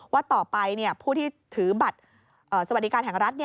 ว่าต่อไปผู้ที่ถือบัตรสวัสดิการแห่งรัฐ